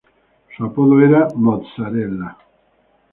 Su apodo era "Mozzarella".